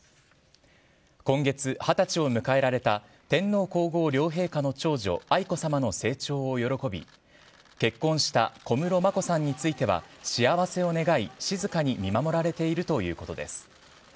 今月、二十歳を迎えられた天皇皇后両陛下の長女愛子さまの成長を喜び結婚した小室眞子さんについては幸せを願い、静かに見守られているということです。